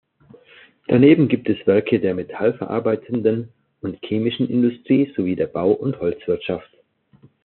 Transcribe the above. Daneben gibt es Werke der metallverarbeitenden und chemischen Industrie sowie der Bau- und Holzwirtschaft.